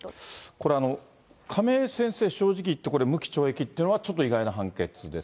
これ、亀井先生、正直言ってこれ、無期懲役っていうのはちょっと意外な判決ですか。